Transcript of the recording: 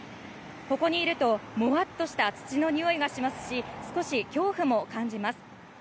ここにいると、もわっとした土のにおいがしますし少し恐怖も感じます。